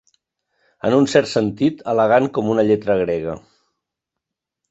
En un cert sentit, elegant com una lletra grega.